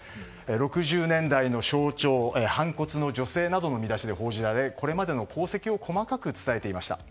６０年代の象徴反骨の女性などの見出しで報じられ、これまでの功績を細かく伝えていました。